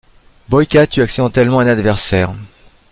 Boyka tue accidentellement un adversaire.